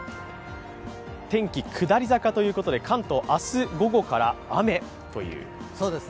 天気下り坂ということで関東明日午後から雨という。